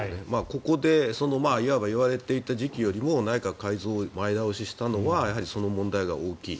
ここでいわばいわれていた時期よりも内閣改造を前倒ししたのはやはりその問題が大きい。